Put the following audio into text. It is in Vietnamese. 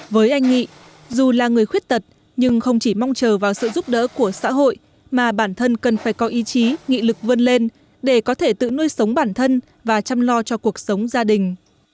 với anh nghị dù là người khuyết tật nhưng không chỉ mong chờ vào sự giúp đỡ của xã hội mà bản thân cần phải có ý chí nghị lực vươn lên để có thể tự nuôi sống bản thân và chăm lo cho cuộc sống gia đình